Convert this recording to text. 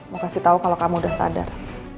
mau kasih tau kalo kamu udah sadar